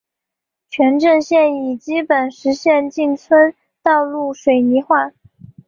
全镇现已基本实现进村道路水泥化。